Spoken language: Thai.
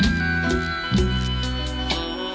อินโทรเพลงที่๗มูลค่า๒๐๐๐๐๐บาทครับ